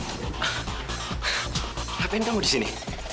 ngapain kamu disini